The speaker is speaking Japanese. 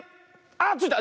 あついた！